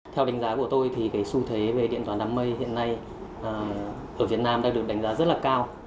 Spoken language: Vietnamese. theo đánh giá của tôi thì cái xu thế về điện toán đám mây hiện nay ở việt nam đang được đánh giá rất là cao